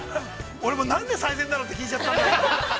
◆俺もなんで最前なの？って聞いちゃったんだろう。